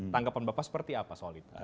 tanggapan bapak seperti apa soal itu